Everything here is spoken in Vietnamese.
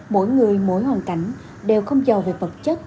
mỗi người mỗi hoàn cảnh đều không giàu về vật chất